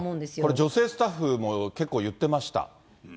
これ、女性スタッフも結構、言ってました。